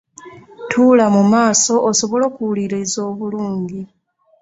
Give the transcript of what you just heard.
Tuula mu maaso osobole okuwuliriza obululngi.